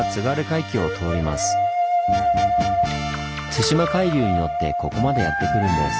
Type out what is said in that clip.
対馬海流に乗ってここまでやって来るんです。